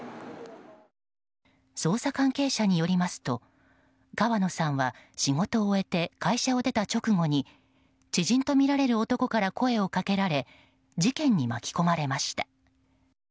捜査関係者によりますと川野さんは仕事を終えて会社を出た直後に知人とみられる男から声をかけられ事件に巻き込まれました。